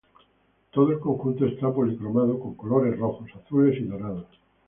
Todo el conjunto está policromado con colores rojos, azules y dorados.